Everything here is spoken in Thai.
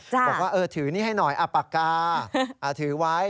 บอกว่าเออถือหนี้ให้หน่อยเอาปากกาถือไว้